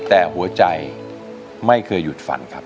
แต่หัวใจไม่เคยหยุดฝันครับ